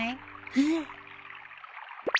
えっ！？